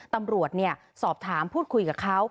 ตำรวจสอบถามพูดคุยกับเขา